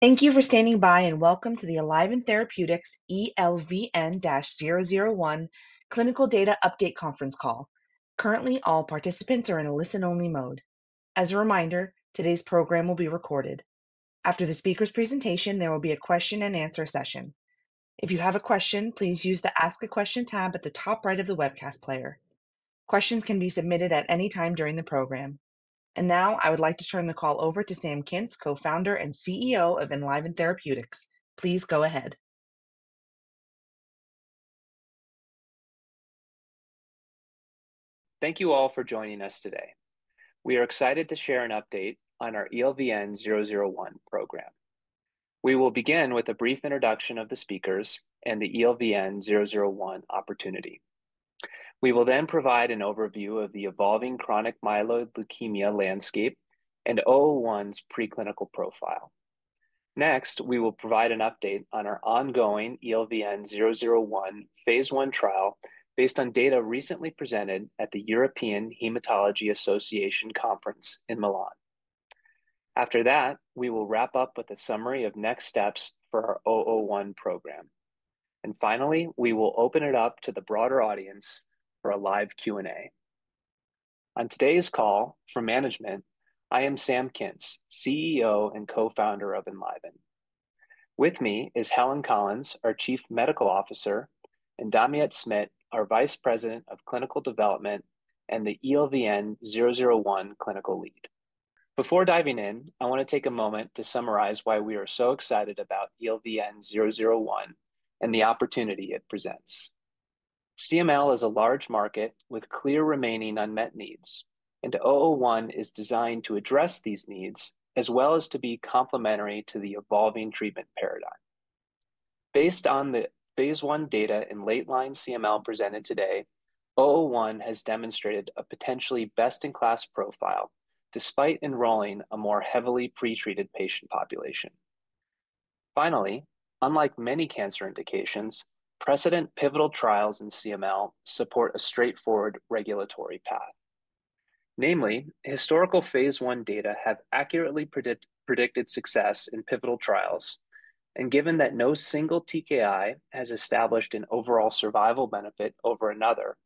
Thank you for standing by and welcome to the Enliven Therapeutics ELVN-001 Clinical Data Update Conference Call. Currently, all participants are in a listen-only mode. As a reminder, today's program will be recorded. After the speaker's presentation, there will be a question-and-answer session. If you have a question, please use the Ask a Question tab at the top right of the webcast player. Questions can be submitted at any time during the program. I would like to turn the call over to Sam Kintz, co-founder and CEO of Enliven Therapeutics. Please go ahead. Thank you all for joining us today. We are excited to share an update on our ELVN-001 program. We will begin with a brief introduction of the speakers and the ELVN-001 opportunity. We will then provide an overview of the evolving chronic myeloid leukemia landscape and 001's preclinical profile. Next, we will provide an update on our ongoing ELVN-001 phase 1 trial based on data recently presented at the European Hematology Association Conference in Milan. After that, we will wrap up with a summary of next steps for our 001 program. Finally, we will open it up to the broader audience for a live Q&A. On today's call, for management, I am Sam Kintz, CEO and co-founder of Enliven. With me is Helen Collins, our Chief Medical Officer, and Damiette Smit, our Vice President of Clinical Development and the ELVN-001 clinical lead. Before diving in, I want to take a moment to summarize why we are so excited about ELVN-001 and the opportunity it presents. CML is a large market with clear remaining unmet needs, and 001 is designed to address these needs as well as to be complementary to the evolving treatment paradigm. Based on the phase 1 data and late-line CML presented today, 001 has demonstrated a potentially best-in-class profile despite enrolling a more heavily pretreated patient population. Finally, unlike many cancer indications, precedent-pivotal trials in CML support a straightforward regulatory path. Namely, historical phase 1 data have accurately predicted success in pivotal trials. Given that no single TKI has established an overall survival benefit over another,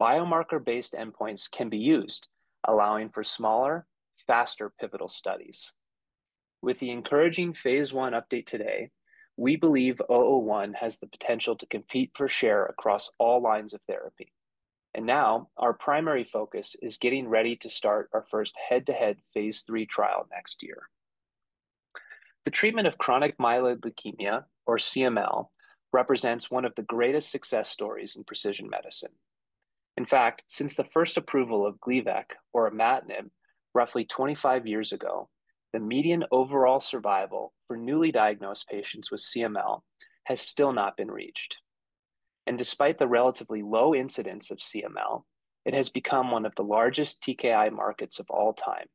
biomarker-based endpoints can be used, allowing for smaller, faster pivotal studies. With the encouraging phase 1 update today, we believe 001 has the potential to compete for share across all lines of therapy. Our primary focus is getting ready to start our first head-to-head phase 3 trial next year. The treatment of chronic myeloid leukemia, or CML, represents one of the greatest success stories in precision medicine. In fact, since the first approval of Gleevec, or Imatinib, roughly 25 years ago, the median overall survival for newly diagnosed patients with CML has still not been reached. Despite the relatively low incidence of CML, it has become one of the largest TKI markets of all time,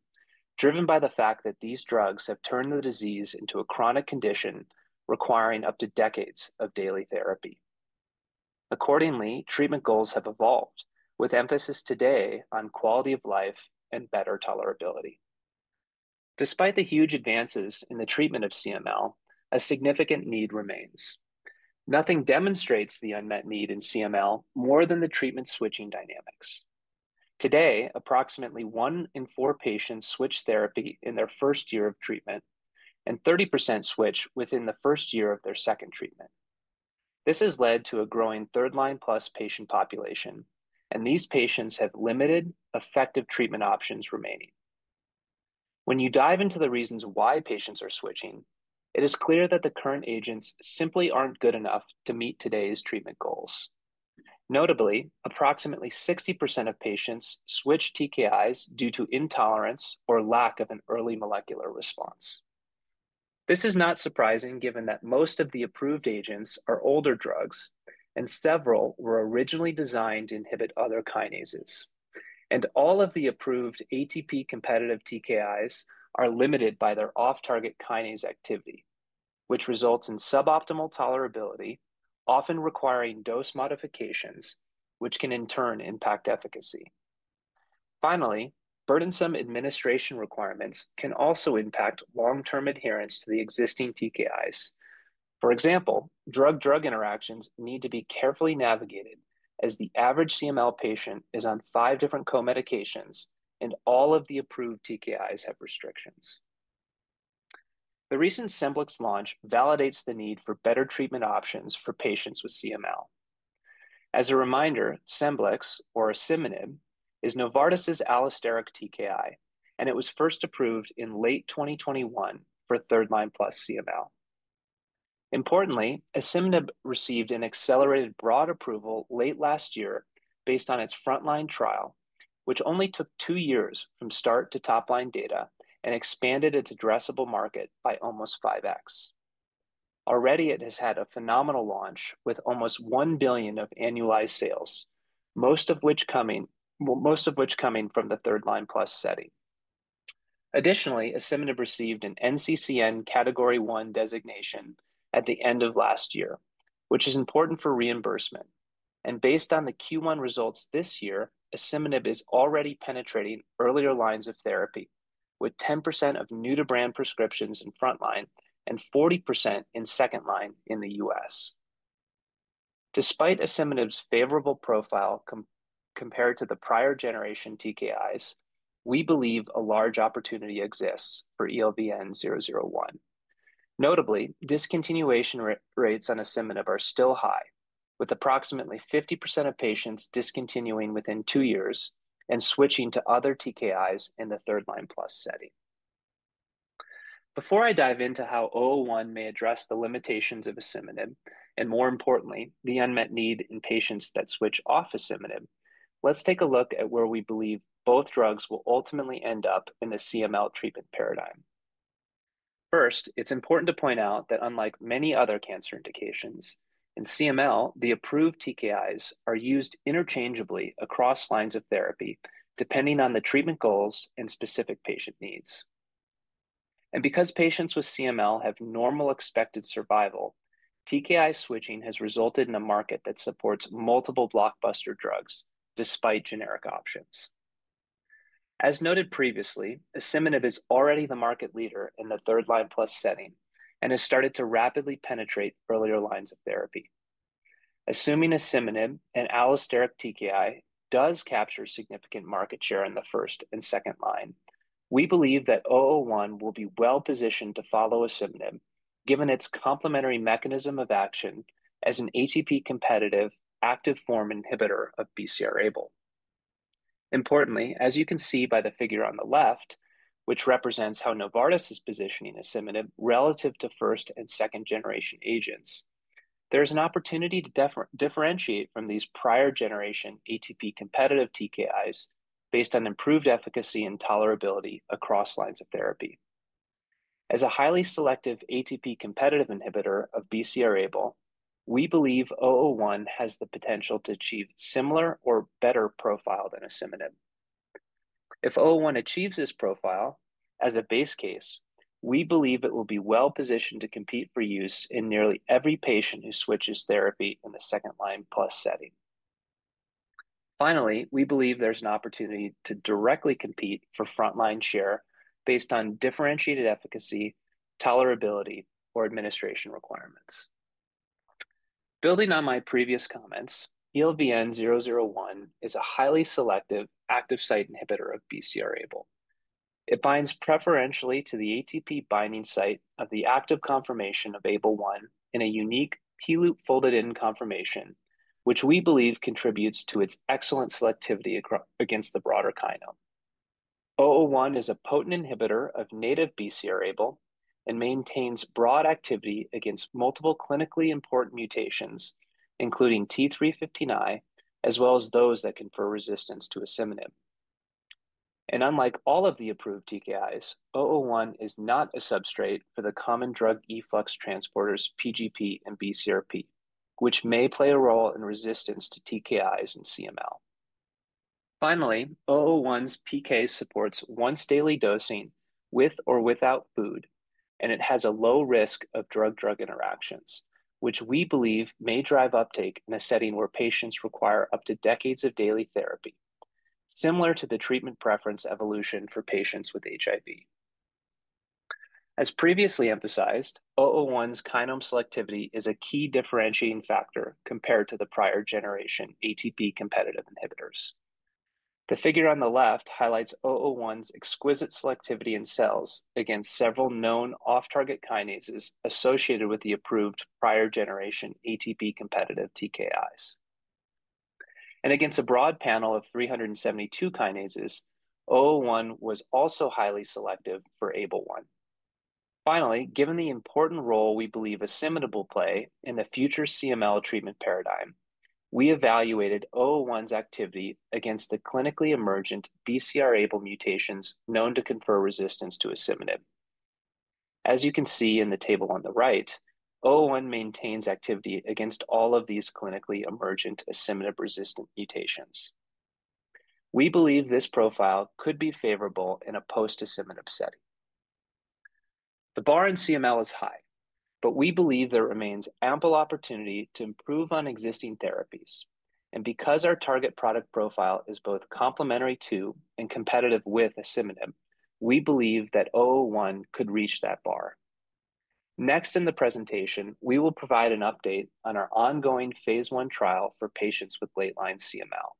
driven by the fact that these drugs have turned the disease into a chronic condition requiring up to decades of daily therapy. Accordingly, treatment goals have evolved, with emphasis today on quality of life and better tolerability. Despite the huge advances in the treatment of CML, a significant need remains. Nothing demonstrates the unmet need in CML more than the treatment switching dynamics. Today, approximately one in four patients switch therapy in their first year of treatment, and 30% switch within the first year of their second treatment. This has led to a growing third-line plus patient population, and these patients have limited effective treatment options remaining. When you dive into the reasons why patients are switching, it is clear that the current agents simply aren't good enough to meet today's treatment goals. Notably, approximately 60% of patients switch TKIs due to intolerance or lack of an early molecular response. This is not surprising given that most of the approved agents are older drugs, and several were originally designed to inhibit other kinases. All of the approved ATP-competitive TKIs are limited by their off-target kinase activity, which results in suboptimal tolerability, often requiring dose modifications, which can in turn impact efficacy. Finally, burdensome administration requirements can also impact long-term adherence to the existing TKIs. For example, drug-drug interactions need to be carefully navigated as the average CML patient is on five different co-medications, and all of the approved TKIs have restrictions. The recent Scemblix launch validates the need for better treatment options for patients with CML. As a reminder, Scemblix, or asciminib, is Novartis' allosteric TKI, and it was first approved in late 2021 for third-line plus CML. Importantly, asciminib received an accelerated broad approval late last year based on its frontline trial, which only took two years from start to top-line data and expanded its addressable market by almost 5x. Already, it has had a phenomenal launch with almost $1 billion of annualized sales, most of which coming from the third-line plus setting. Additionally, asciminib received an NCCN Category 1 designation at the end of last year, which is important for reimbursement. Based on the Q1 results this year, asciminib is already penetrating earlier lines of therapy with 10% of new-to-brand prescriptions in frontline and 40% in second line in the U.S.. Despite asciminib's favorable profile compared to the prior generation TKIs, we believe a large opportunity exists for ELVN-001. Notably, discontinuation rates on asciminib are still high, with approximately 50% of patients discontinuing within two years and switching to other TKIs in the third-line plus setting. Before I dive into how 001 may address the limitations of asciminib and, more importantly, the unmet need in patients that switch off asciminib, let's take a look at where we believe both drugs will ultimately end up in the CML treatment paradigm. First, it's important to point out that unlike many other cancer indications, in CML, the approved TKIs are used interchangeably across lines of therapy depending on the treatment goals and specific patient needs. Because patients with CML have normal expected survival, TKI switching has resulted in a market that supports multiple blockbuster drugs despite generic options. As noted previously, asciminib is already the market leader in the third-line plus setting and has started to rapidly penetrate earlier lines of therapy. Assuming asciminib and allosteric TKI does capture significant market share in the first and second line, we believe that 001 will be well-positioned to follow asciminib given its complementary mechanism of action as an ATP-competitive active form inhibitor of BCR-ABL. Importantly, as you can see by the figure on the left, which represents how Novartis is positioning asciminib relative to first and second-generation agents, there is an opportunity to differentiate from these prior-generation ATP-competitive TKIs based on improved efficacy and tolerability across lines of therapy. As a highly selective ATP-competitive inhibitor of BCR-ABL, we believe 001 has the potential to achieve similar or better profile than asciminib. If 001 achieves this profile, as a base case, we believe it will be well-positioned to compete for use in nearly every patient who switches therapy in the second-line plus setting. Finally, we believe there's an opportunity to directly compete for frontline share based on differentiated efficacy, tolerability, or administration requirements. Building on my previous comments, ELVN-001 is a highly selective active site inhibitor of BCR-ABL. It binds preferentially to the ATP-binding site of the active conformation of ABL1 in a unique P-loop folded-in conformation, which we believe contributes to its excellent selectivity against the broader kinome. 001 is a potent inhibitor of native BCR-ABL and maintains broad activity against multiple clinically important mutations, including T315I, as well as those that confer resistance to asciminib. Unlike all of the approved TKIs, 001 is not a substrate for the common drug efflux transporters PGP and BCRP, which may play a role in resistance to TKIs in CML. Finally, 001's PK supports once-daily dosing with or without food, and it has a low risk of drug-drug interactions, which we believe may drive uptake in a setting where patients require up to decades of daily therapy, similar to the treatment preference evolution for patients with HIV. As previously emphasized, 001's kinome selectivity is a key differentiating factor compared to the prior-generation ATP-competitive inhibitors. The figure on the left highlights 001's exquisite selectivity in cells against several known off-target kinases associated with the approved prior-generation ATP-competitive TKIs. Against a broad panel of 372 kinases, 001 was also highly selective for ABL1. Finally, given the important role we believe asciminib will play in the future CML treatment paradigm, we evaluated 001's activity against the clinically emergent BCR-ABL mutations known to confer resistance to asciminib. As you can see in the table on the right, 001 maintains activity against all of these clinically emergent asciminib-resistant mutations. We believe this profile could be favorable in a post-asciminib setting. The bar in CML is high, but we believe there remains ample opportunity to improve on existing therapies. Because our target product profile is both complementary to and competitive with asciminib, we believe that 001 could reach that bar. Next in the presentation, we will provide an update on our ongoing phase 1 trial for patients with late-line CML.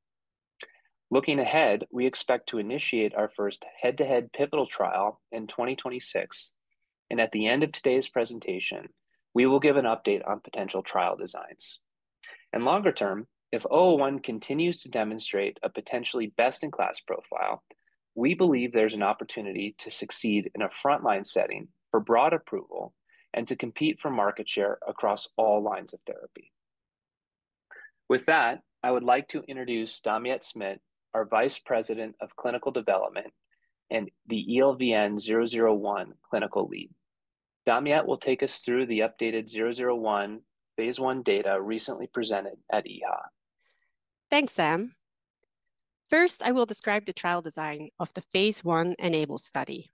Looking ahead, we expect to initiate our first head-to-head pivotal trial in 2026. At the end of today's presentation, we will give an update on potential trial designs. Longer term, if 001 continues to demonstrate a potentially best-in-class profile, we believe there's an opportunity to succeed in a frontline setting for broad approval and to compete for market share across all lines of therapy. With that, I would like to introduce Damiette Smit, our Vice President of Clinical Development and the ELVN-001 clinical lead. Damiette will take us through the updated 001 phase 1 data recently presented at EHA. Thanks, Sam. First, I will describe the trial design of the phase 1 enabled study.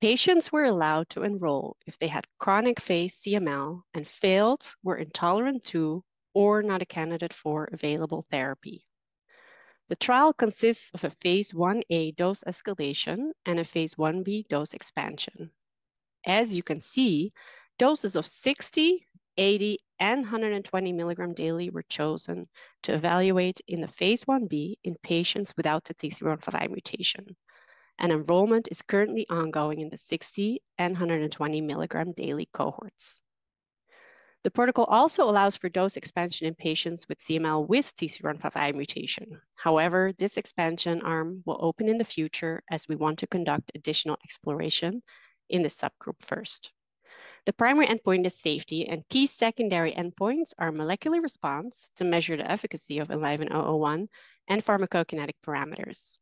Patients were allowed to enroll if they had chronic phase CML and failed, were intolerant to, or not a candidate for available therapy. The trial consists of a phase 1a dose escalation and a phase 1b dose expansion. As you can see, doses of 60, 80, and 120 milligram daily were chosen to evaluate in the phase 1b in patients without the T315I mutation. Enrollment is currently ongoing in the 60 and 120 milligram daily cohorts. The protocol also allows for dose expansion in patients with CML with T315I mutation. However, this expansion arm will open in the future as we want to conduct additional exploration in the subgroup first. The primary endpoint is safety, and key secondary endpoints are molecular response to measure the efficacy of ELVN-001 and pharmacokinetic parameters.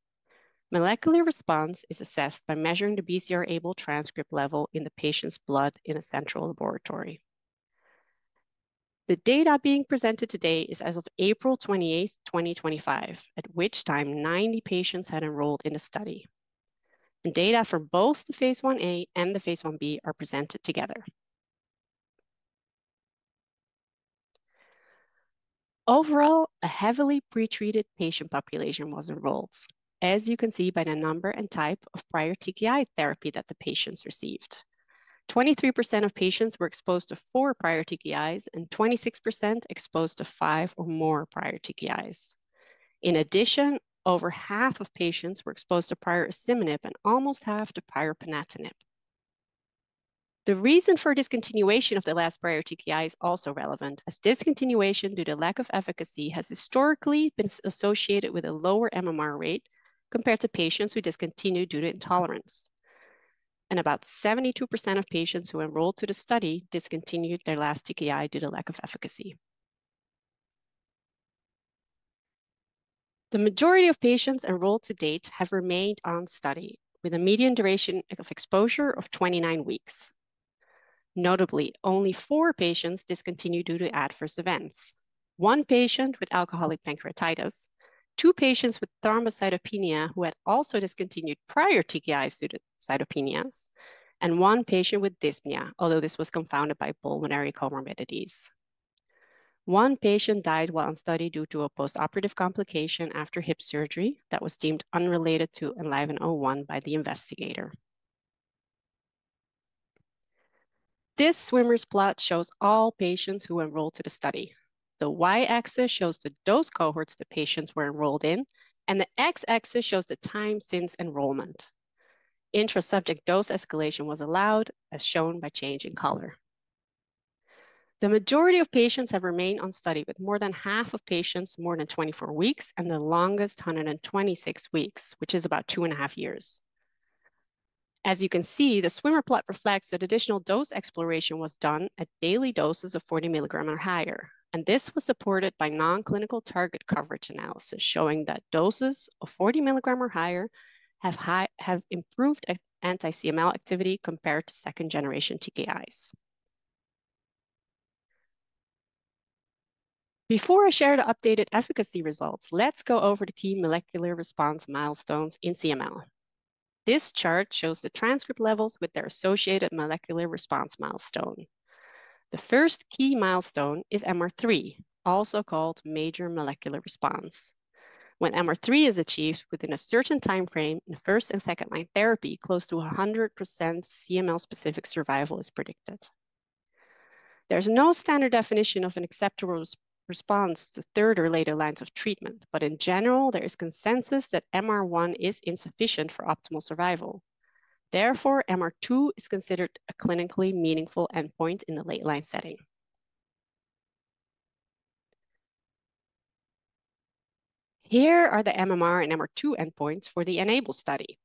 Molecular response is assessed by measuring the BCR-ABL transcript level in the patient's blood in a central laboratory. The data being presented today is as of April 28, 2025, at which time 90 patients had enrolled in the study. Data for both the phase 1a and the phase 1b are presented together. Overall, a heavily pretreated patient population was enrolled, as you can see by the number and type of prior TKI therapy that the patients received. 23% of patients were exposed to four prior TKIs and 26% exposed to five or more prior TKIs. In addition, over half of patients were exposed to prior asciminib and almost half to prior ponatinib. The reason for discontinuation of the last prior TKI is also relevant, as discontinuation due to lack of efficacy has historically been associated with a lower MMR rate compared to patients who discontinued due to intolerance. About 72% of patients who enrolled to the study discontinued their last TKI due to lack of efficacy. The majority of patients enrolled to date have remained on study with a median duration of exposure of 29 weeks. Notably, only four patients discontinued due to adverse events: one patient with alcoholic pancreatitis, two patients with thrombocytopenia who had also discontinued prior TKIs due to cytopenias, and one patient with dyspnea, although this was confounded by pulmonary comorbidities. One patient died while on study due to a postoperative complication after hip surgery that was deemed unrelated ELVN-001 by the investigator. This swimmer's plot shows all patients who enrolled to the study. The Y-axis shows the dose cohorts the patients were enrolled in, and the X-axis shows the time since enrollment. Intrasubject dose escalation was allowed, as shown by change in color. The majority of patients have remained on study with more than half of patients more than 24 weeks and the longest 126 weeks, which is about two and a half years. As you can see, the swimmer plot reflects that additional dose exploration was done at daily doses of 40 milligram or higher. This was supported by non-clinical target coverage analysis showing that doses of 40 milligram or higher have improved anti-CML activity compared to second-generation TKIs. Before I share the updated efficacy results, let's go over the key molecular response milestones in CML. This chart shows the transcript levels with their associated molecular response milestone. The first key milestone is MR3, also called major molecular response. When MR3 is achieved within a certain timeframe in first and second-line therapy, close to 100% CML-specific survival is predicted. There is no standard definition of an acceptable response to third or later lines of treatment, but in general, there is consensus that MR1 is insufficient for optimal survival. Therefore, MR2 is considered a clinically meaningful endpoint in the late-line setting. Here are the MMR and MR2 endpoints for the ENABLE study.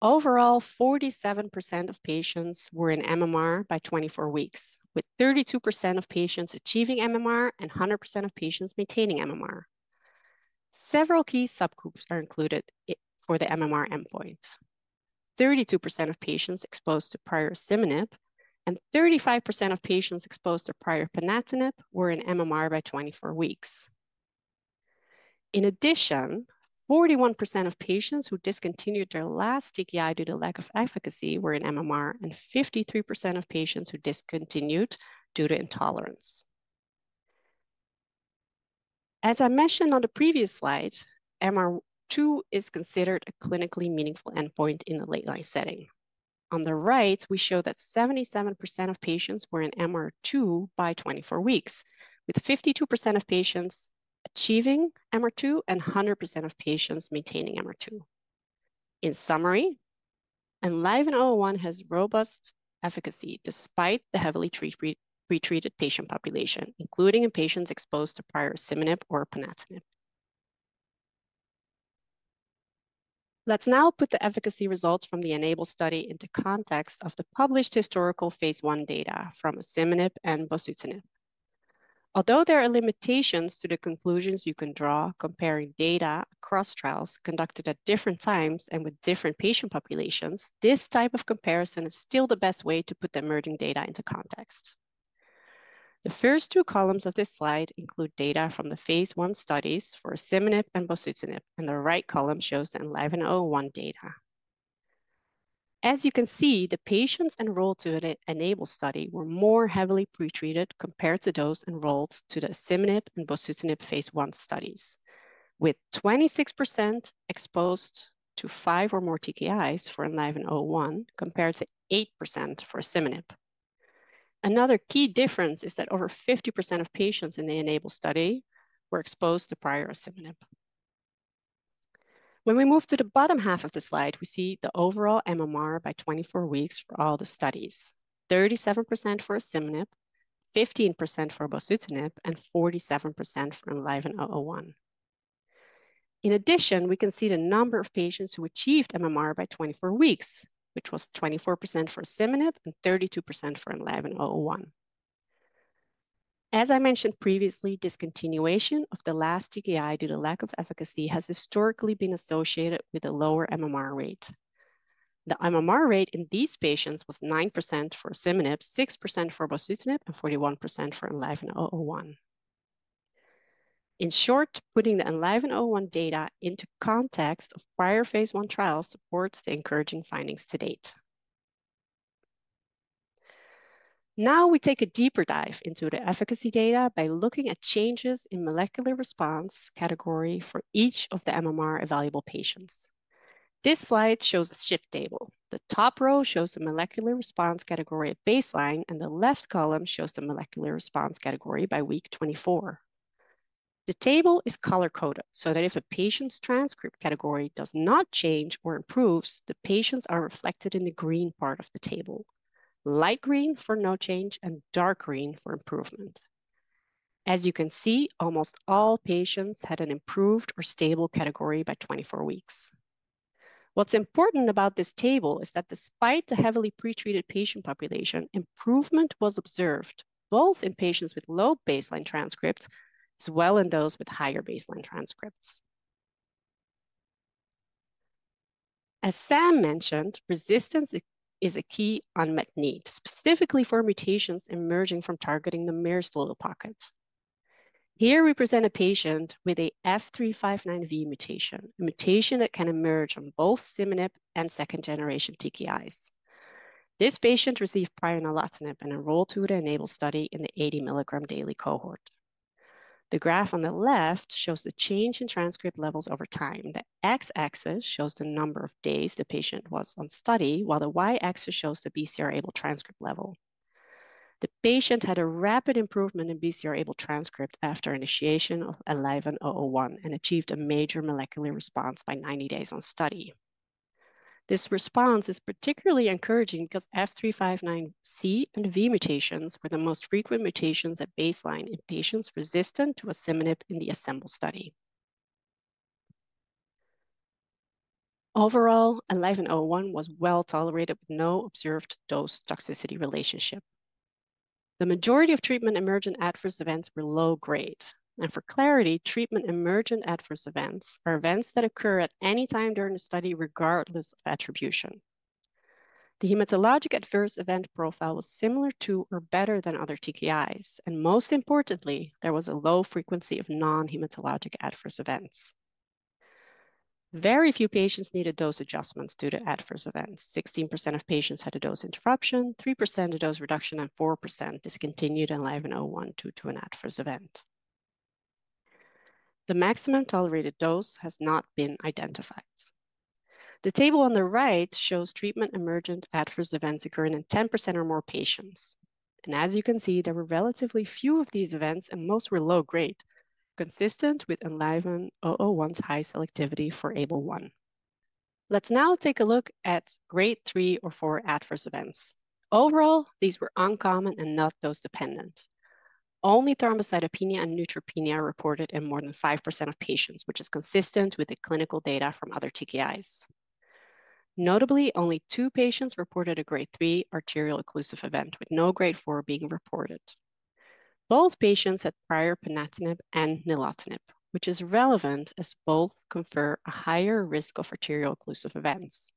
Overall, 47% of patients were in MMR by 24 weeks, with 32% of patients achieving MMR and 100% of patients maintaining MMR. Several key subgroups are included for the MMR endpoints. 32% of patients exposed to prior asciminib and 35% of patients exposed to prior ponatinib were in MMR by 24 weeks. In addition, 41% of patients who discontinued their last TKI due to lack of efficacy were in MMR, and 53% of patients who discontinued due to intolerance. As I mentioned on the previous slide, MR2 is considered a clinically meaningful endpoint in the late-line setting. On the right, we show that 77% of patients were in MR2 by 24 weeks, with 52% of patients achieving MR2 and 100% of patients maintaining MR2. In ELVN-001 has robust efficacy despite the heavily pretreated patient population, including in patients exposed to prior asciminib or ponatinib. Let's now put the efficacy results from the ENABLE study into context of the published historical phase I data from asciminib and bosutinib. Although there are limitations to the conclusions you can draw comparing data across trials conducted at different times and with different patient populations, this type of comparison is still the best way to put the emerging data into context. The first two columns of this slide include data from the phase I studies for asciminib and bosutinib, and the right column shows ELVN-001 data. As you can see, the patients enrolled to the ENABLE study were more heavily pretreated compared to those enrolled to the asciminib and bosutinib phase 1 studies, with 26% exposed to five or more TKIs for ELVN-001 compared to 8% for asciminib. Another key difference is that over 50% of patients in the ENABLE study were exposed to prior asciminib. When we move to the bottom half of the slide, we see the overall MMR by 24 weeks for all the studies: 37% for asciminib, 15% for bosutinib, and 47% ELVN-001. in addition, we can see the number of patients who achieved MMR by 24 weeks, which was 24% for asciminib and 32% ELVN-001. as I mentioned previously, discontinuation of the last TKI due to lack of efficacy has historically been associated with a lower MMR rate. The MMR rate in these patients was 9% for asciminib, 6% for bosutinib, and 41% for ELVN-001. In short, putting the ELVN-001 data into context of prior phase 1 trials supports the encouraging findings to date. Now we take a deeper dive into the efficacy data by looking at changes in molecular response category for each of the MMR evaluable patients. This slide shows a shift table. The top row shows the molecular response category at baseline, and the left column shows the molecular response category by week 24. The table is color-coded so that if a patient's transcript category does not change or improves, the patients are reflected in the green part of the table: light green for no change and dark green for improvement. As you can see, almost all patients had an improved or stable category by 24 weeks. What's important about this table is that despite the heavily pretreated patient population, improvement was observed both in patients with low baseline transcripts as well as in those with higher baseline transcripts. As Sam mentioned, resistance is a key unmet need, specifically for mutations emerging from targeting the myristoyl pocket. Here we present a patient with an F359V mutation, a mutation that can emerge on both asciminib and second-generation TKIs. This patient received prior nilotinib and enrolled to the ENABLE study in the 80 mg daily cohort. The graph on the left shows the change in transcript levels over time. The X-axis shows the number of days the patient was on study, while the Y-axis shows the BCR-ABL transcript level. The patient had a rapid improvement in BCR-ABL transcript after initiation of ELVN-001 and achieved a major molecular response by 90 days on study. This response is particularly encouraging because F359C and V mutations were the most frequent mutations at baseline in patients resistant to asciminib in the assembled study. Overall, ELVN-001 was well tolerated with no observed dose toxicity relationship. The majority of treatment emergent adverse events were low grade. For clarity, treatment emergent adverse events are events that occur at any time during the study, regardless of attribution. The hematologic adverse event profile was similar to or better than other TKIs. Most importantly, there was a low frequency of non-hematologic adverse events. Very few patients needed dose adjustments due to adverse events. 16% of patients had a dose interruption, 3% a dose reduction, and 4% discontinued ELVN-001 due to an adverse event. The maximum tolerated dose has not been identified. The table on the right shows treatment emergent adverse events occurring in 10% or more patients. As you can see, there were relatively few of these events, and most were low grade, consistent with ELVN-001's high selectivity for ABL1. Let's now take a look at grade three or four adverse events. Overall, these were uncommon and not dose-dependent. Only thrombocytopenia and neutropenia were reported in more than 5% of patients, which is consistent with the clinical data from other TKIs. Notably, only two patients reported a grade three arterial occlusive event, with no grade four being reported. Both patients had prior ponatinib and nilotinib, which is relevant as both confer a higher risk of arterial occlusive events.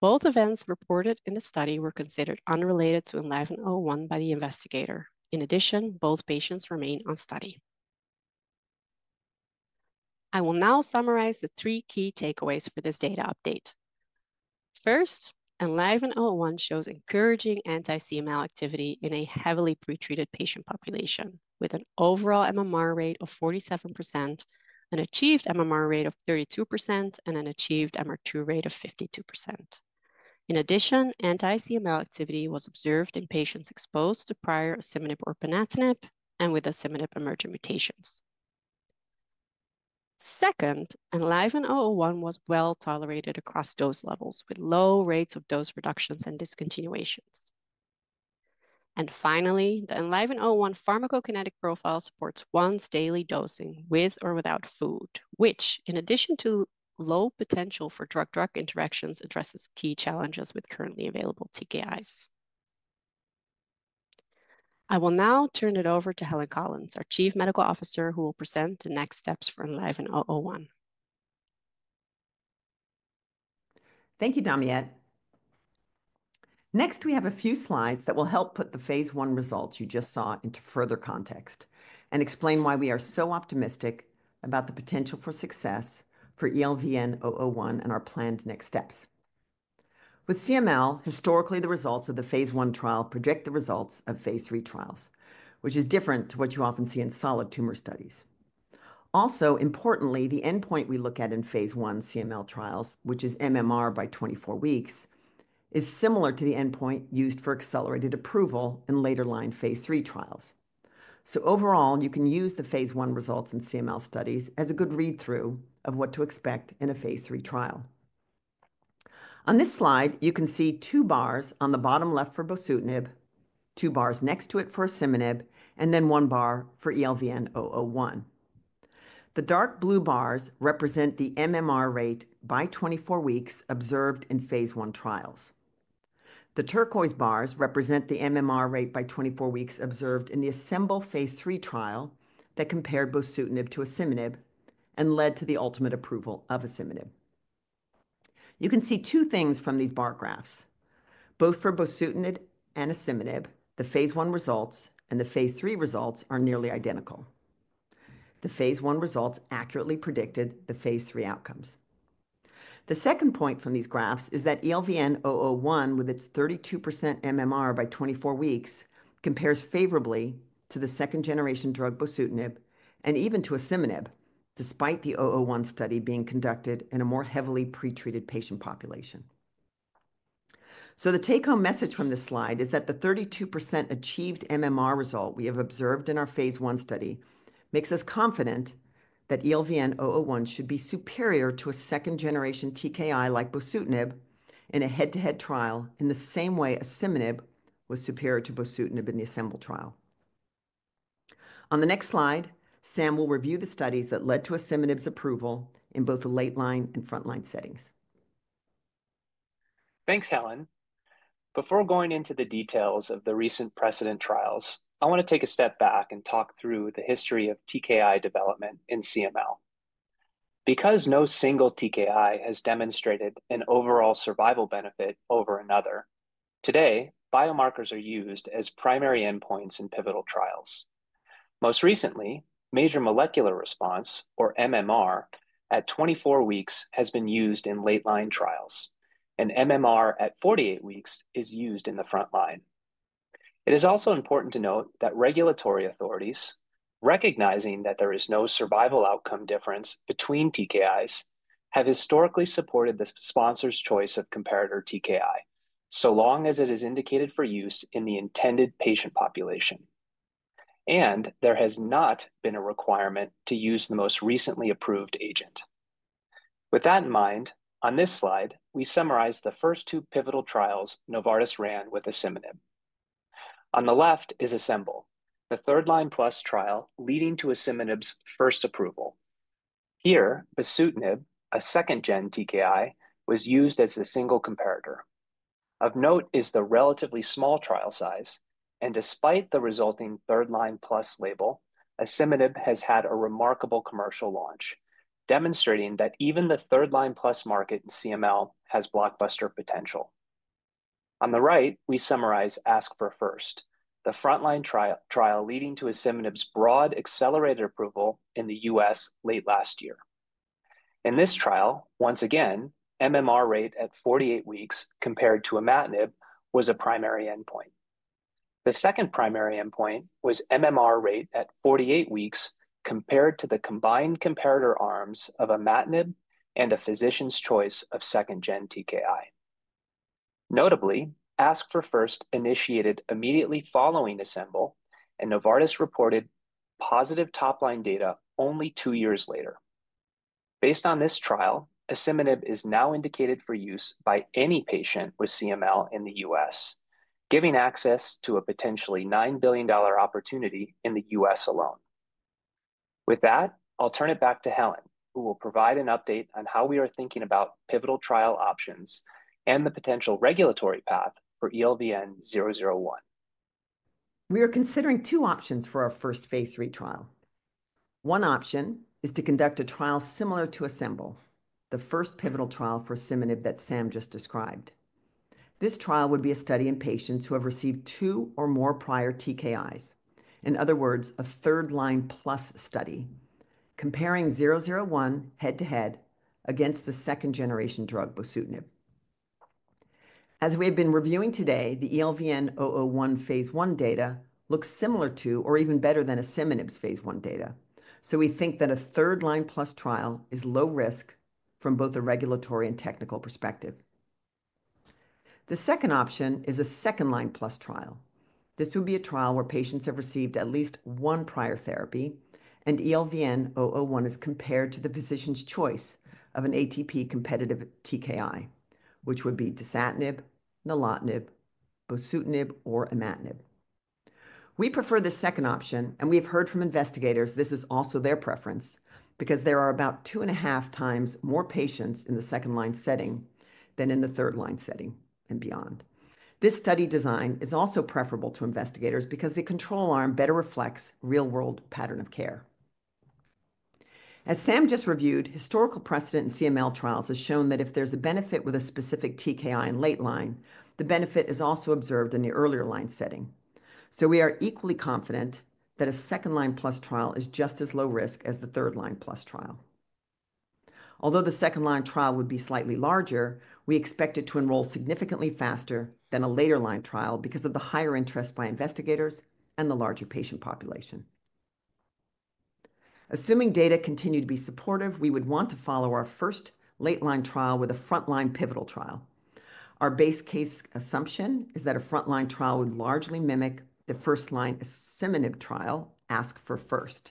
Both events reported in the study were considered unrelated to ELVN-001 by the investigator. In addition, both patients remain on study. I will now summarize the three key takeaways for this data update. First, ELVN-001 shows encouraging anti-CML activity in a heavily pretreated patient population, with an overall MMR rate of 47%, an achieved MMR rate of 32%, and an achieved MR2 rate of 52%. In addition, anti-CML activity was observed in patients exposed to prior asciminib or ponatinib and with asciminib emergent mutations. Second, ELVN-001 was well tolerated across dose levels, with low rates of dose reductions and discontinuations. Finally, the ELVN-001 pharmacokinetic profile supports once-daily dosing with or without food, which, in addition to low potential for drug-drug interactions, addresses key challenges with currently available TKIs. I will now turn it over to Helen Collins, our Chief Medical Officer, who will present the next steps for ELVN-001. Thank you, Damiette. Next, we have a few slides that will help put the phase I results you just saw into further context and explain why we are so optimistic about the potential for success for ELVN-001 and our planned next steps. With CML, historically, the results of the phase I trial project the results of phase III trials, which is different to what you often see in solid tumor studies. Also, importantly, the endpoint we look at in phase I CML trials, which is MMR by 24 weeks, is similar to the endpoint used for accelerated approval in later-line phase III trials. Overall, you can use the phase I results in CML studies as a good read-through of what to expect in a phase III trial. On this slide, you can see two bars on the bottom left for bosutinib, two bars next to it for asciminib, and then one bar for ELVN-001. The dark blue bars represent the MMR rate by 24 weeks observed in phase I trials. The turquoise bars represent the MMR rate by 24 weeks observed in the assembled phase III trial that compared bosutinib to asciminib and led to the ultimate approval of asciminib. You can see two things from these bar graphs. Both for bosutinib and asciminib, the phase I results and the phase III results are nearly identical. The phase I results accurately predicted the phase III outcomes. The second point from these graphs is that ELVN-001, with its 32% MMR by 24 weeks, compares favorably to the second-generation drug bosutinib and even to asciminib, despite the 001 study being conducted in a more heavily pretreated patient population. The take-home message from this slide is that the 32% achieved MMR result we have observed in our phase I study makes us confident that ELVN-001 should be superior to a second-generation TKI like bosutinib in a head-to-head trial in the same way asciminib was superior to bosutinib in the ASCEMBL trial. On the next slide, Sam will review the studies that led to asciminib's approval in both the late-line and front-line settings. Thanks, Helen. Before going into the details of the recent precedent trials, I want to take a step back and talk through the history of TKI development in CML. Because no single TKI has demonstrated an overall survival benefit over another, today, biomarkers are used as primary endpoints in pivotal trials. Most recently, major molecular response, or MMR, at 24 weeks has been used in late-line trials, and MMR at 48 weeks is used in the front line. It is also important to note that regulatory authorities, recognizing that there is no survival outcome difference between TKIs, have historically supported the sponsor's choice of comparator TKI, so long as it is indicated for use in the intended patient population. There has not been a requirement to use the most recently approved agent. With that in mind, on this slide, we summarize the first two pivotal trials Novartis ran with asciminib. On the left is ASCEMBL, the third-line plus trial leading to asciminib's first approval. Here, bosutinib, a second-generation TKI, was used as a single comparator. Of note is the relatively small trial size. Despite the resulting third-line plus label, asciminib has had a remarkable commercial launch, demonstrating that even the third-line plus market in CML has blockbuster potential. On the right, we summarize ASC4FIRST, the front-line trial leading to asciminib's broad accelerated approval in the U.S. late last year. In this trial, once again, MMR rate at 48 weeks compared to imatinib was a primary endpoint. The second primary endpoint was MMR rate at 48 weeks compared to the combined comparator arms of imatinib and a physician's choice of second-gen TKI. Notably, ASC4FIRST initiated immediately following ASCEMBL, and Novartis reported positive top-line data only two years later. Based on this trial, asciminib is now indicated for use by any patient with CML in the U.S., giving access to a potentially $9 billion opportunity in the U.S. alone. With that, I'll turn it back to Helen, who will provide an update on how we are thinking about pivotal trial options and the potential regulatory path for ELVN-001. We are considering two options for our first phase 3 trial. One option is to conduct a trial similar to Assemble, the first pivotal trial for asciminib that Sam just described. This trial would be a study in patients who have received two or more prior TKIs, in other words, a third-line plus study, comparing 001 head-to-head against the second-generation drug bosutinib. As we have been reviewing today, the ELVN-001 phase 1 data looks similar to or even better than asciminib's phase 1 data. We think that a third-line plus trial is low risk from both a regulatory and technical perspective. The second option is a second-line plus trial. This would be a trial where patients have received at least one prior therapy, and ELVN-001 is compared to the physician's choice of an ATP-competitive TKI, which would be dasatinib, nilotinib, bosutinib, or imatinib. We prefer the second option, and we have heard from investigators this is also their preference because there are about two and a half times more patients in the second-line setting than in the third-line setting and beyond. This study design is also preferable to investigators because the control arm better reflects real-world pattern of care. As Sam just reviewed, historical precedent in CML trials has shown that if there's a benefit with a specific TKI in late line, the benefit is also observed in the earlier line setting. We are equally confident that a second-line plus trial is just as low risk as the third-line plus trial. Although the second-line trial would be slightly larger, we expect it to enroll significantly faster than a later-line trial because of the higher interest by investigators and the larger patient population. Assuming data continue to be supportive, we would want to follow our first late-line trial with a front-line pivotal trial. Our base case assumption is that a front-line trial would largely mimic the first-line asciminib trial ASC4FIRST.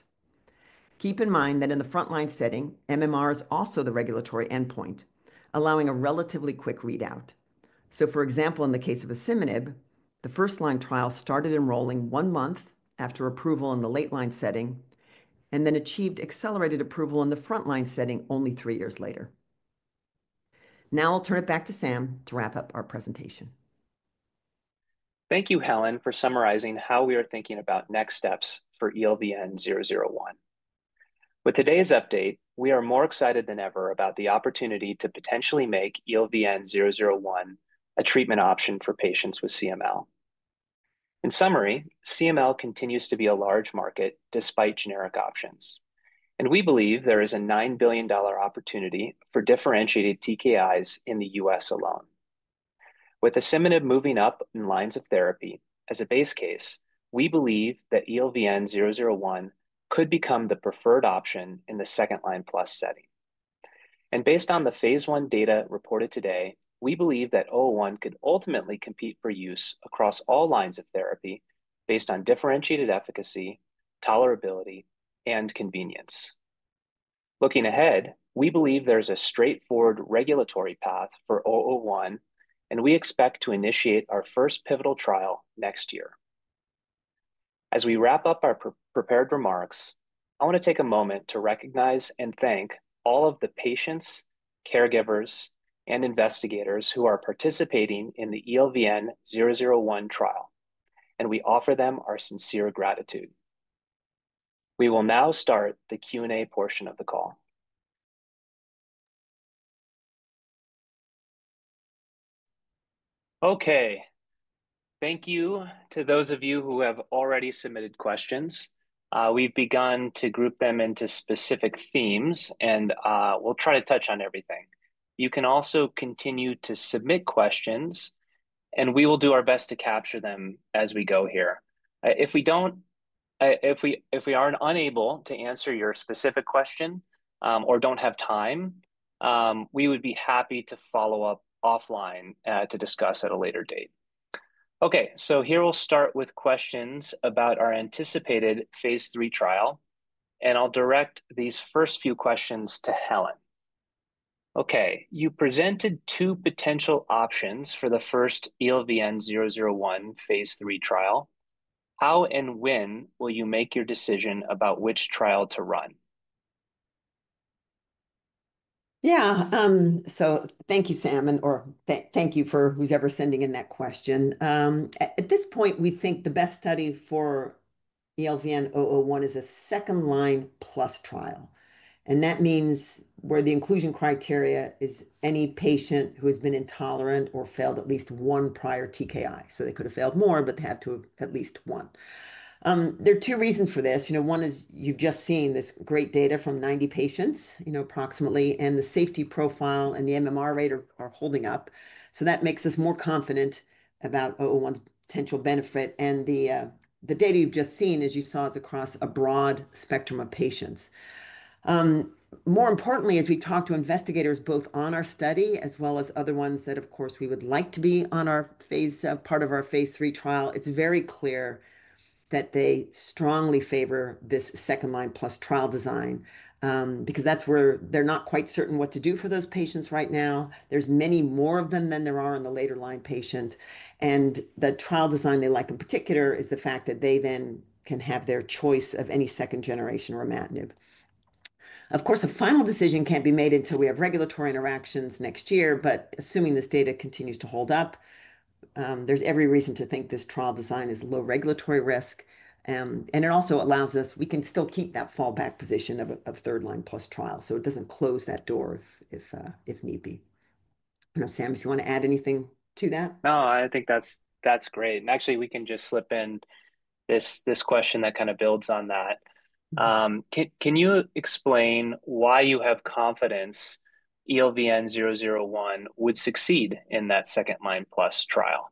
Keep in mind that in the front-line setting, MMR is also the regulatory endpoint, allowing a relatively quick readout. For example, in the case of asciminib, the first-line trial started enrolling one month after approval in the late-line setting and then achieved accelerated approval in the front-line setting only three years later. Now I'll turn it back to Sam to wrap up our presentation. Thank you, Helen, for summarizing how we are thinking about next steps for ELVN-001. With today's update, we are more excited than ever about the opportunity to potentially make ELVN-001 a treatment option for patients with CML. In summary, CML continues to be a large market despite generic options. We believe there is a $9 billion opportunity for differentiated TKIs in the US alone. With asciminib moving up in lines of therapy as a base case, we believe that ELVN-001 could become the preferred option in the second-line plus setting. Based on the phase 1 data reported today, we believe that 001 could ultimately compete for use across all lines of therapy based on differentiated efficacy, tolerability, and convenience. Looking ahead, we believe there is a straightforward regulatory path for 001, and we expect to initiate our first pivotal trial next year. As we wrap up our prepared remarks, I want to take a moment to recognize and thank all of the patients, caregivers, and investigators who are participating in the ELVN-001 trial. We offer them our sincere gratitude. We will now start the Q&A portion of the call. Thank you to those of you who have already submitted questions. We've begun to group them into specific themes, and we'll try to touch on everything. You can also continue to submit questions, and we will do our best to capture them as we go here. If we are unable to answer your specific question or do not have time, we would be happy to follow up offline to discuss at a later date. Here we will start with questions about our anticipated phase 3 trial. I'll direct these first few questions to Helen. You presented two potential options for the first ELVN-001 phase 3 trial. How and when will you make your decision about which trial to run? Yeah. Thank you, Sam, and/or thank you for whoever's sending in that question. At this point, we think the best study for ELVN-001 is a second-line plus trial. That means where the inclusion criteria is any patient who has been intolerant or failed at least one prior TKI. They could have failed more, but they had to have at least one. There are two reasons for this. One is you've just seen this great data from approximately 90 patients, and the safety profile and the MMR rate are holding up. That makes us more confident about 001's potential benefit. The data you've just seen, as you saw, is across a broad spectrum of patients. More importantly, as we talk to investigators both on our study as well as other ones that, of course, we would like to be on our part of our phase 3 trial, it's very clear that they strongly favor this second-line plus trial design because that's where they're not quite certain what to do for those patients right now. There's many more of them than there are in the later-line patient. The trial design they like in particular is the fact that they then can have their choice of any second-generation or imatinib. Of course, a final decision can't be made until we have regulatory interactions next year. Assuming this data continues to hold up, there's every reason to think this trial design is low regulatory risk. It also allows us we can still keep that fallback position of a third-line plus trial. It does not close that door if need be. Sam, if you want to add anything to that? No, I think that's great. Actually, we can just slip in this question that kind of builds on that. Can you explain why you have confidence ELVN-001 would succeed in that second-line plus trial?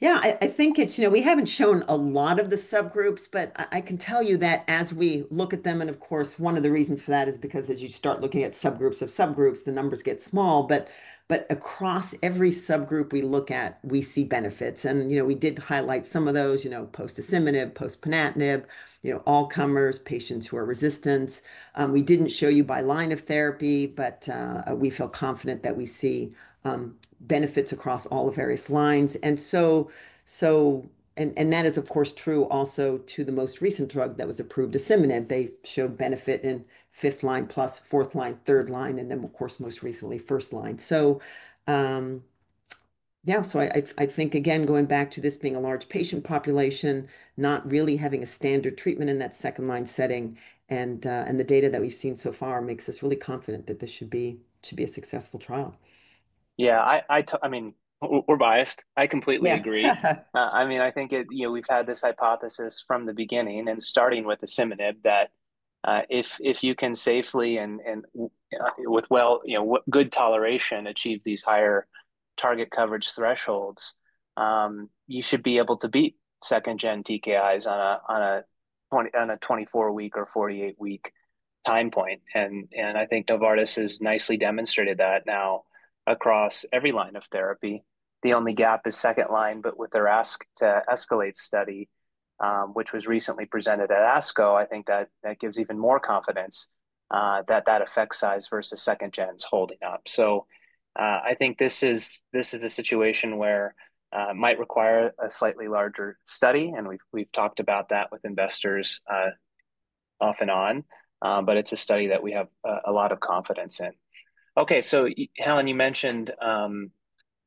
Yeah. I think we have not shown a lot of the subgroups, but I can tell you that as we look at them, and of course, one of the reasons for that is because as you start looking at subgroups of subgroups, the numbers get small. Across every subgroup we look at, we see benefits. We did highlight some of those: post-asciminib, post-ponatinib, all-comers, patients who are resistant. We did not show you by line of therapy, but we feel confident that we see benefits across all the various lines. That is, of course, true also to the most recent drug that was approved, asciminib. They showed benefit in fifth-line plus, fourth-line, third-line, and then, of course, most recently, first-line. Yeah. I think, again, going back to this being a large patient population, not really having a standard treatment in that second-line setting. The data that we've seen so far makes us really confident that this should be a successful trial. Yeah. I mean, we're biased. I completely agree. I think we've had this hypothesis from the beginning and starting with asciminib that if you can safely and with good toleration achieve these higher target coverage thresholds, you should be able to beat second-gen TKIs on a 24-week or 48-week time point. I think Novartis has nicely demonstrated that now across every line of therapy. The only gap is second-line. With their ask to Escalate study, which was recently presented at ASCO, I think that gives even more confidence that that effect size versus second-gen is holding up. I think this is a situation where it might require a slightly larger study. We have talked about that with investors off and on. It is a study that we have a lot of confidence in. Okay. Helen, you mentioned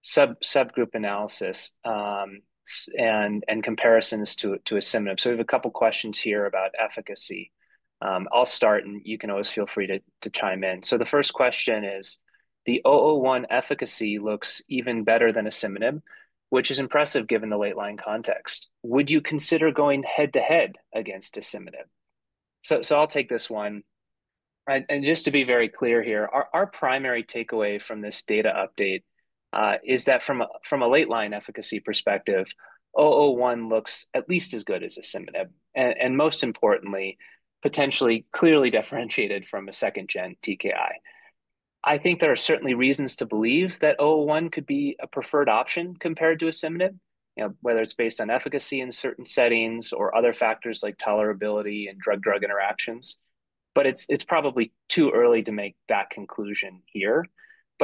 subgroup analysis and comparisons to asciminib. We have a couple of questions here about efficacy. I will start, and you can always feel free to chime in. The first question is, the 001 efficacy looks even better than asciminib, which is impressive given the late-line context. Would you consider going head-to-head against asciminib? I will take this one. Just to be very clear here, our primary takeaway from this data update is that from a late-line efficacy perspective, 001 looks at least as good as asciminib. Most importantly, potentially clearly differentiated from a second-gen TKI. I think there are certainly reasons to believe that 001 could be a preferred option compared to asciminib, whether it's based on efficacy in certain settings or other factors like tolerability and drug-drug interactions. It's probably too early to make that conclusion here.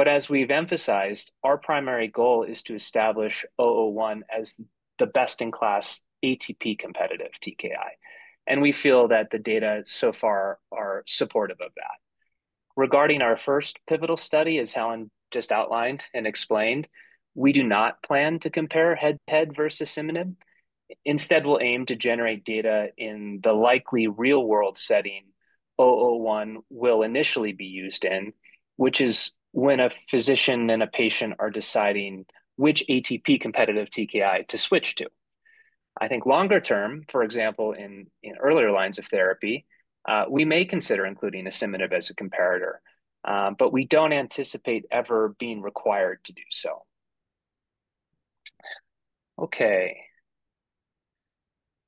As we've emphasized, our primary goal is to establish 001 as the best-in-class ATP-competitive TKI. We feel that the data so far are supportive of that. Regarding our first pivotal study, as Helen just outlined and explained, we do not plan to compare head-to-head versus asciminib. Instead, we'll aim to generate data in the likely real-world setting 001 will initially be used in, which is when a physician and a patient are deciding which ATP-competitive TKI to switch to. I think longer term, for example, in earlier lines of therapy, we may consider including asciminib as a comparator. We do not anticipate ever being required to do so. Okay.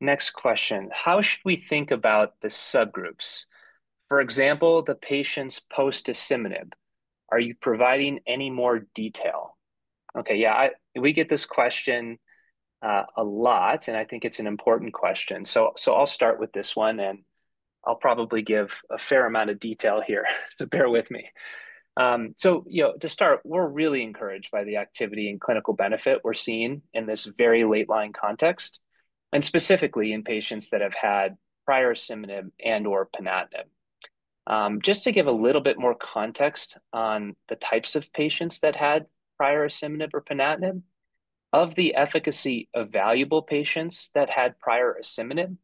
Next question. How should we think about the subgroups? For example, the patients post-asciminib, are you providing any more detail? Okay. Yeah. We get this question a lot, and I think it's an important question. I'll start with this one, and I'll probably give a fair amount of detail here. Bear with me. To start, we're really encouraged by the activity and clinical benefit we're seeing in this very late-line context, and specifically in patients that have had prior asciminib and/or ponatinib. Just to give a little bit more context on the types of patients that had prior asciminib or ponatinib, of the efficacy evaluable patients that had prior asciminib,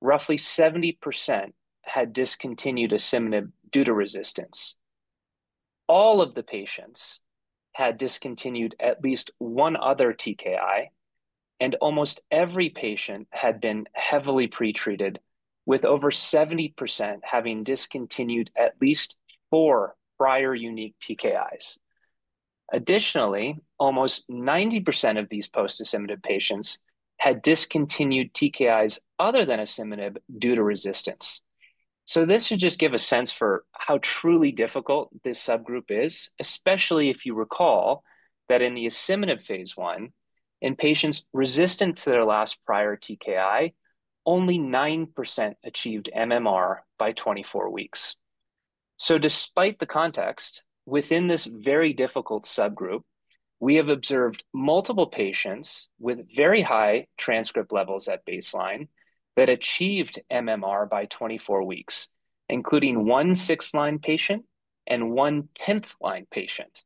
roughly 70% had discontinued asciminib due to resistance. All of the patients had discontinued at least one other TKI, and almost every patient had been heavily pretreated, with over 70% having discontinued at least four prior unique TKIs. Additionally, almost 90% of these post-asciminib patients had discontinued TKIs other than asciminib due to resistance. This should just give a sense for how truly difficult this subgroup is, especially if you recall that in the asciminib phase I, in patients resistant to their last prior TKI, only 9% achieved MMR by 24 weeks. Despite the context, within this very difficult subgroup, we have observed multiple patients with very high transcript levels at baseline that achieved MMR by 24 weeks, including one six-line patient and one tenth-line patient.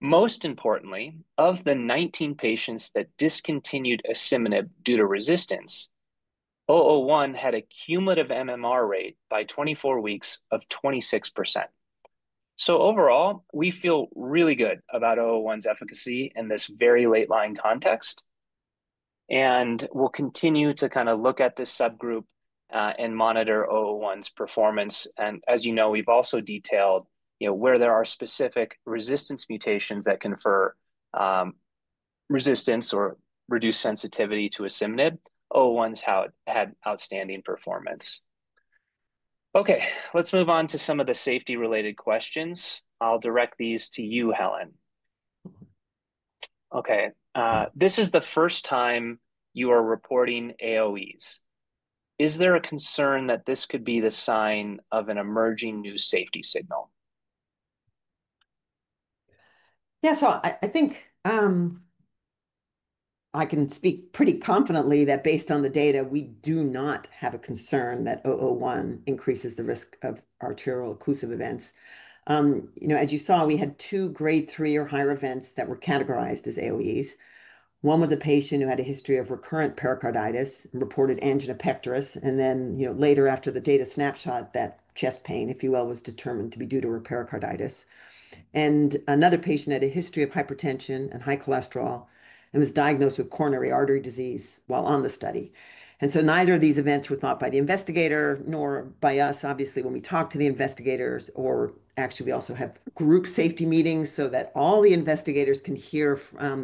Most importantly, of the 19 patients that discontinued asciminib due to resistance, 001 had a cumulative MMR rate by 24 weeks of 26%. Overall, we feel really good about 001's efficacy in this very late-line context. We'll continue to kind of look at this subgroup and monitor 001's performance. As you know, we've also detailed where there are specific resistance mutations that confer resistance or reduce sensitivity to asciminib. 001's had outstanding performance. Okay. Let's move on to some of the safety-related questions. I'll direct these to you, Helen. Okay. This is the first time you are reporting AOEs. Is there a concern that this could be the sign of an emerging new safety signal? Yeah. I think I can speak pretty confidently that based on the data, we do not have a concern that 001 increases the risk of arterial occlusive events. As you saw, we had two grade 3 or higher events that were categorized as AOEs. One was a patient who had a history of recurrent pericarditis and reported angina pectoris. Later, after the data snapshot, that chest pain, if you will, was determined to be due to her pericarditis. Another patient had a history of hypertension and high cholesterol and was diagnosed with coronary artery disease while on the study. Neither of these events were thought by the investigator nor by us, obviously, when we talked to the investigators. Actually, we also have group safety meetings so that all the investigators can hear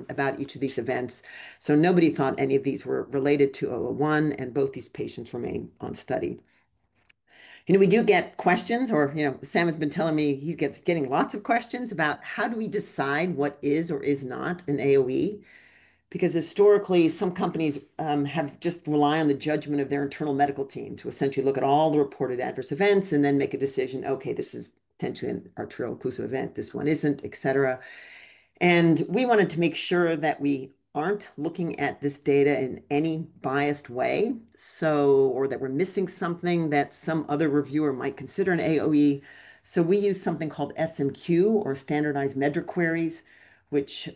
about each of these events. Nobody thought any of these were related to 001, and both these patients remain on study. We do get questions. Sam has been telling me he's getting lots of questions about how do we decide what is or is not an AOE? Historically, some companies have just relied on the judgment of their internal medical team to essentially look at all the reported adverse events and then make a decision, "Okay. This is potentially an arterial occlusive event. This one isn't," etc. We wanted to make sure that we aren't looking at this data in any biased way or that we're missing something that some other reviewer might consider an AOE. We use something called SMQ or standardized medical queries, which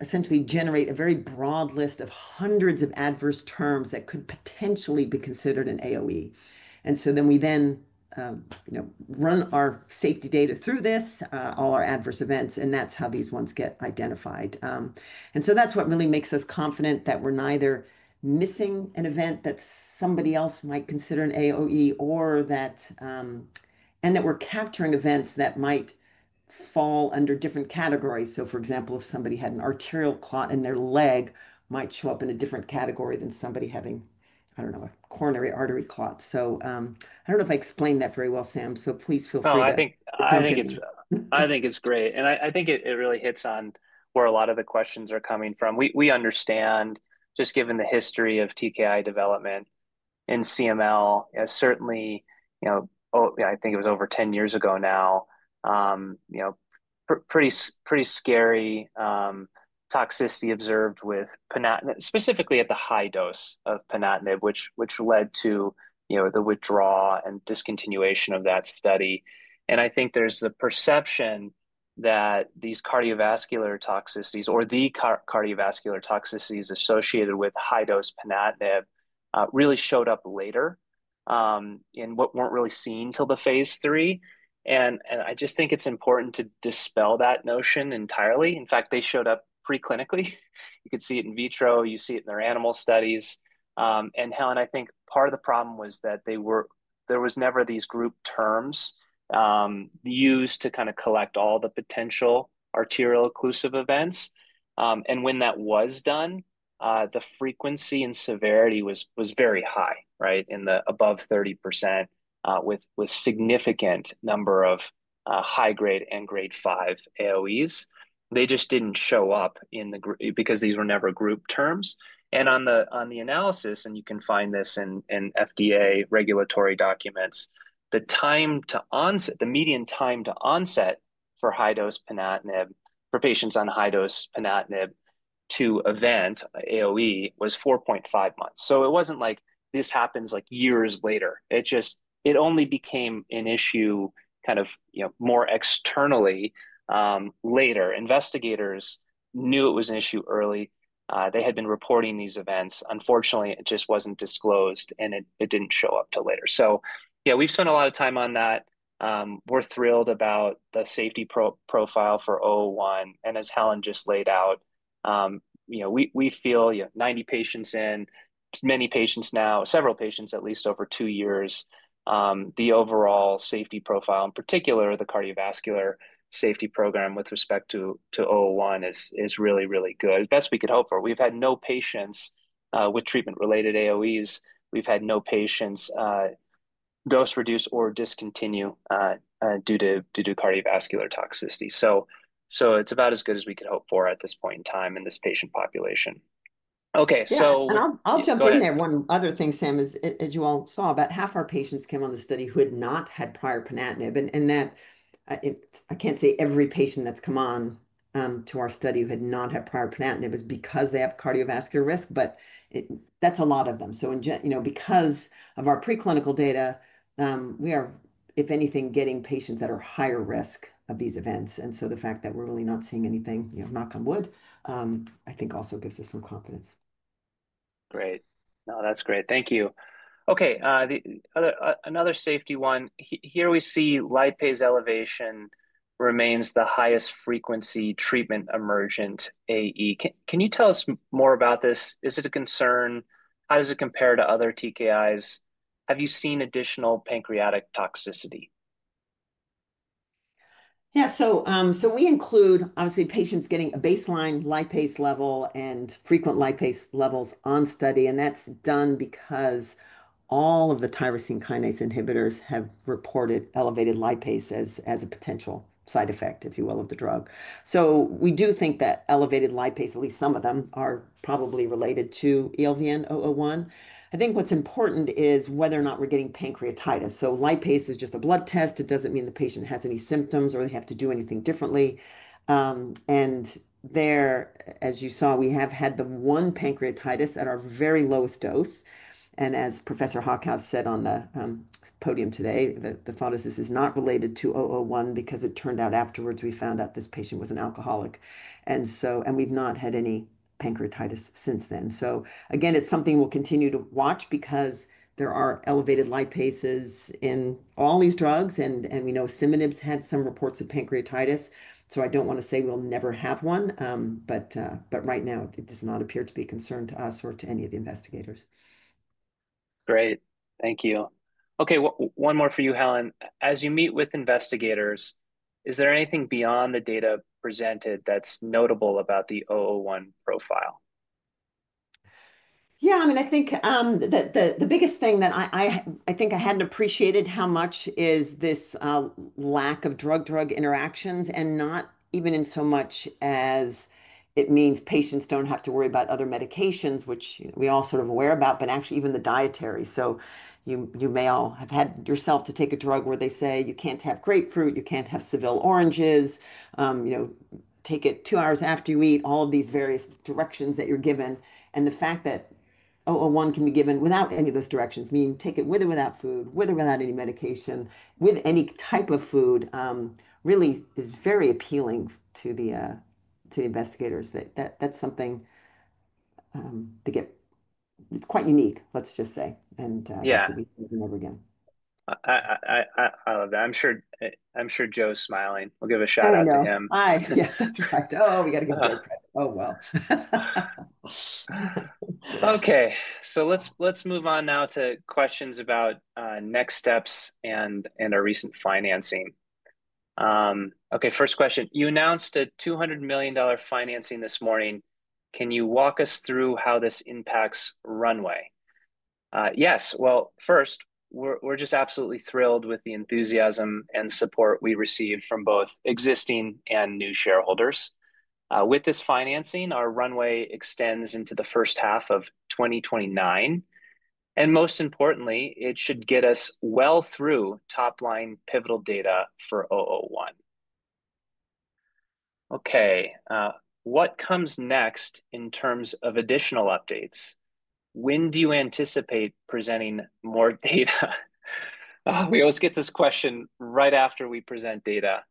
essentially generate a very broad list of hundreds of adverse terms that could potentially be considered an AOE. We then run our safety data through this, all our adverse events, and that is how these ones get identified. That is what really makes us confident that we are neither missing an event that somebody else might consider an AOE and that we are capturing events that might fall under different categories. For example, if somebody had an arterial clot in their leg, it might show up in a different category than somebody having, I do not know, a coronary artery clot. I do not know if I explained that very well, Sam. Please feel free to. No, I think it is great. I think it really hits on where a lot of the questions are coming from. We understand, just given the history of TKI development in CML, certainly, I think it was over 10 years ago now, pretty scary toxicity observed specifically at the high dose of ponatinib, which led to the withdrawal and discontinuation of that study. I think there's the perception that these cardiovascular toxicities or the cardiovascular toxicities associated with high-dose ponatinib really showed up later and weren't really seen till the phase 3. I just think it's important to dispel that notion entirely. In fact, they showed up preclinically. You could see it in vitro. You see it in their animal studies. Helen, I think part of the problem was that there were never these group terms used to kind of collect all the potential arterial occlusive events. When that was done, the frequency and severity was very high, right, in the above 30% with a significant number of high-grade and grade 5 AOEs. They just did not show up because these were never group terms. On the analysis, and you can find this in FDA regulatory documents, the median time to onset for high-dose ponatinib for patients on high-dose ponatinib to event AOE was 4.5 months. It was not like this happens years later. It only became an issue kind of more externally later. Investigators knew it was an issue early. They had been reporting these events. Unfortunately, it just was not disclosed, and it did not show up till later. Yeah, we have spent a lot of time on that. We are thrilled about the safety profile for 001. As Helen just laid out, we feel 90 patients in, many patients now, several patients at least over two years. The overall safety profile, in particular, the cardiovascular safety program with respect to 001 is really, really good. It's the best we could hope for. We've had no patients with treatment-related AOEs. We've had no patients dose-reduce or discontinue due to cardiovascular toxicity. It's about as good as we could hope for at this point in time in this patient population. Okay. Yeah. I'll jump in there. One other thing, Sam, is, as you all saw, about half our patients came on the study who had not had prior ponatinib. I can't say every patient that's come on to our study who had not had prior ponatinib is because they have cardiovascular risk, but that's a lot of them. Because of our preclinical data, we are, if anything, getting patients that are higher risk of these events. The fact that we're really not seeing anything, knock on wood, I think also gives us some confidence. Great. No, that's great. Thank you. Okay. Another safety one. Here we see lipase elevation remains the highest frequency treatment emergent AE. Can you tell us more about this? Is it a concern? How does it compare to other TKIs? Have you seen additional pancreatic toxicity? Yeah. We include, obviously, patients getting a baseline lipase level and frequent lipase levels on study. That's done because all of the tyrosine kinase inhibitors have reported elevated lipase as a potential side effect, if you will, of the drug. We do think that elevated lipase, at least some of them, are probably related to ELVN-001. I think what's important is whether or not we're getting pancreatitis. Lipase is just a blood test. It doesn't mean the patient has any symptoms or they have to do anything differently. There, as you saw, we have had the one pancreatitis at our very lowest dose. As Professor Hocko said on the podium today, the thought is this is not related to 001 because it turned out afterwards we found out this patient was an alcoholic. We've not had any pancreatitis since then. Again, it's something we'll continue to watch because there are elevated lipases in all these drugs. We know asciminib's had some reports of pancreatitis. I don't want to say we'll never have one. Right now, it does not appear to be a concern to us or to any of the investigators. Great. Thank you. Okay. One more for you, Helen. As you meet with investigators, is there anything beyond the data presented that's notable about the 001 profile? Yeah. I mean, I think the biggest thing that I think I hadn't appreciated how much is this lack of drug-drug interactions, and not even in so much as it means patients don't have to worry about other medications, which we're all sort of aware about, but actually even the dietary. You may all have had yourself to take a drug where they say, "You can't have grapefruit. You can't have Seville oranges. Take it two hours after you eat," all of these various directions that you're given. The fact that 001 can be given without any of those directions, meaning take it with or without food, with or without any medication, with any type of food, really is very appealing to the investigators. That's something to get, it's quite unique, let's just say. And to be given ever again. I love that. I'm sure Joe's smiling. We'll give a shout-out to him. Yeah. Hi. Yes. That's right. Oh, we got to give her a credit. Oh, well. Okay. So let's move on now to questions about next steps and our recent financing. Okay. First question. You announced a $200 million financing this morning. Can you walk us through how this impacts Runway? Yes. First, we're just absolutely thrilled with the enthusiasm and support we received from both existing and new shareholders. With this financing, our Runway extends into the first half of 2029. And most importantly, it should get us well through top-line pivotal data for 001. Okay. What comes next in terms of additional updates? When do you anticipate presenting more data? We always get this question right after we present data.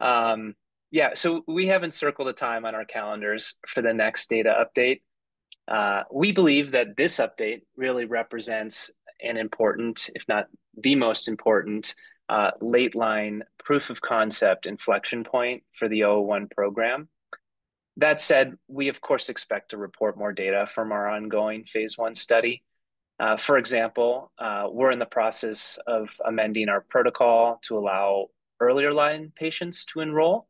Yeah. We have encircled a time on our calendars for the next data update. We believe that this update really represents an important, if not the most important, late-line proof of concept inflection point for the 001 program. That said, we, of course, expect to report more data from our ongoing phase 1 study. For example, we are in the process of amending our protocol to allow earlier-line patients to enroll.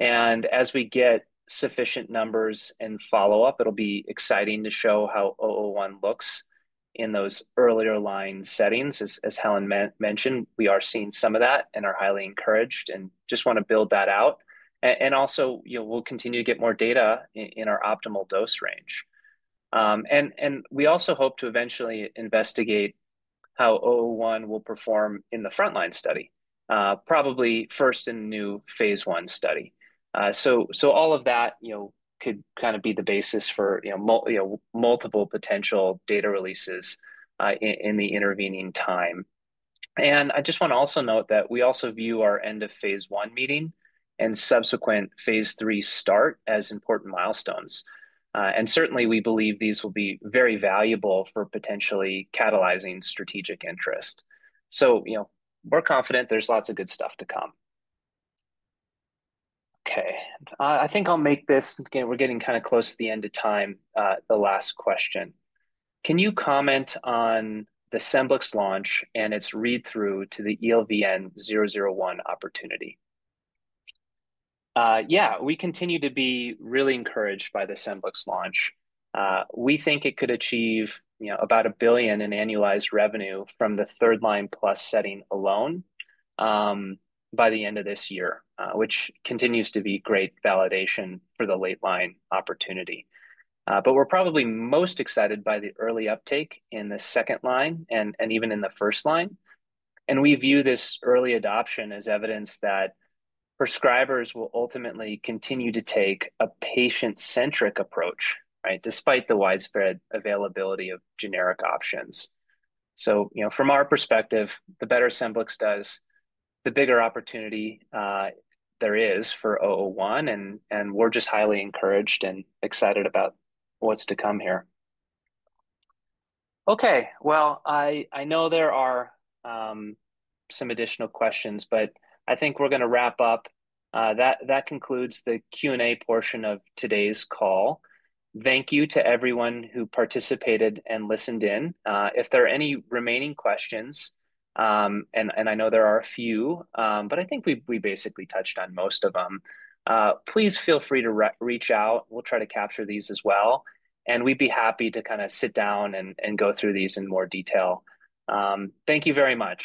As we get sufficient numbers and follow-up, it will be exciting to show how 001 looks in those earlier-line settings. As Helen mentioned, we are seeing some of that and are highly encouraged and just want to build that out. We will continue to get more data in our optimal dose range. We also hope to eventually investigate how 001 will perform in the front-line study, probably first in a new phase 1 study. All of that could kind of be the basis for multiple potential data releases in the intervening time. I just want to also note that we also view our end of phase 1 meeting and subsequent phase 3 start as important milestones. Certainly, we believe these will be very valuable for potentially catalyzing strategic interest. We are confident there is lots of good stuff to come. Okay. I think I'll make this again, we are getting kind of close to the end of time, the last question. Can you comment on the Scemblix launch and its read-through to the ELVN-001 opportunity? Yeah. We continue to be really encouraged by the Scemblix launch. We think it could achieve about $1 billion in annualized revenue from the third-line plus setting alone by the end of this year, which continues to be great validation for the late-line opportunity. We are probably most excited by the early uptake in the second line and even in the first line. We view this early adoption as evidence that prescribers will ultimately continue to take a patient-centric approach, right, despite the widespread availability of generic options. From our perspective, the better Scemblix does, the bigger opportunity there is for 001. We are just highly encouraged and excited about what is to come here. Okay. I know there are some additional questions, but I think we are going to wrap up. That concludes the Q&A portion of today's call. Thank you to everyone who participated and listened in. If there are any remaining questions, and I know there are a few, but I think we basically touched on most of them, please feel free to reach out. We will try to capture these as well. We would be happy to kind of sit down and go through these in more detail. Thank you very much.